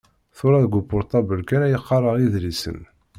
Tura deg upurṭabl kan ay qqareɣ idlisen.